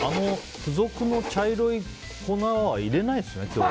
付属の茶色い粉は入れないんですね、今日は。